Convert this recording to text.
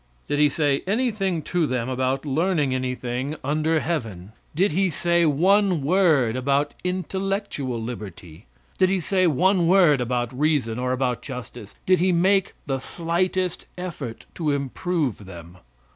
Did He say anything to them about learning anything under heaven? Did He say one word about intellectual liberty? Did he say one word about reason or about justice? Did He make the slightest effort to improve them?